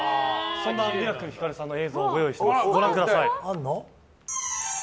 ミラクルひかるさんの映像をご用意しています。